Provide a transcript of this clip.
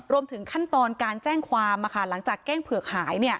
รวมถึงขั้นตอนการแจ้งความหลังจากเก้งเผือกหาย